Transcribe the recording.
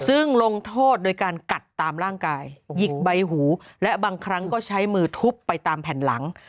ซึ่งลงโทษโดยการกัดตามร่างกายหยิกใบหูและบางครั้งก็ใช้มือทุบไปตามแผ่นหลัง